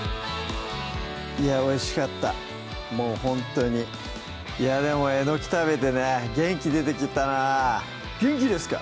いやおいしかったもうほんとにいやでもえのき食べてね元気出てきたな「元気ですか！」